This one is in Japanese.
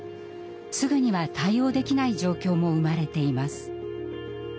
すぐには対応できない状況も生まれています。